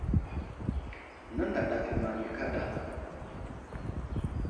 Nənday ɗaf i maŋ yo kaɗa.